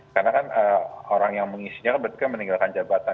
karena kan orang yang mengisinya berarti meninggalkan jabatan